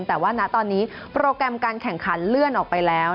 แต่ว่าณตอนนี้โปรแกรมการแข่งขันเลื่อนออกไปแล้ว